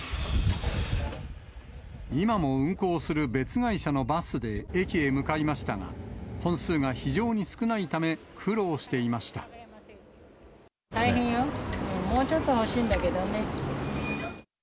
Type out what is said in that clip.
今も運行する別会社のバスで駅へ向かいましたが、本数が非常に少大変よ、もうちょっと欲しいんだけどね。